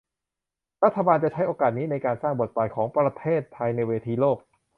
รัฐบาลจะใช้โอกาสนี้ในการสร้างบทบาทของประเทศไทยในเวทีโลก